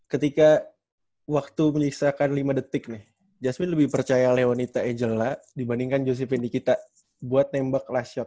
ketika waktu menyisakan lima detik nih jasmine lebih percaya leonita angel lah dibandingkan josephine nikita buat nembak last shot